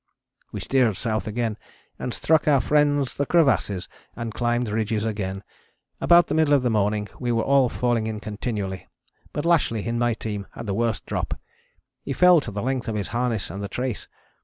We steered south again and struck our friends the crevasses and climbed ridges again. About the middle of the morning we were all falling in continually, but Lashly in my team had the worst drop. He fell to the length of his harness and the trace.